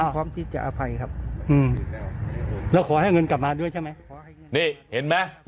พร้อมที่จะอภัยครับแล้วขอให้เงินกลับมาด้วยใช่ไหมนี่เห็นไหม